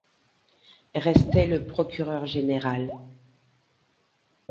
Restait le procureur général!